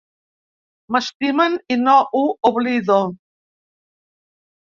M'estimen, i no ho oblido.